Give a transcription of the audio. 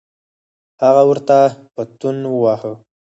هغه ورته پتون وواهه.